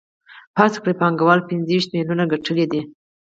فرض کړئ پانګوال پنځه ویشت میلیونه ګټلي دي